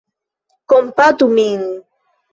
Kompatu min!